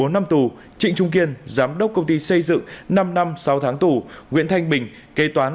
một mươi năm tù trịnh trung kiên giám đốc công ty xây dựng năm năm sáu tháng tù nguyễn thanh bình kế toán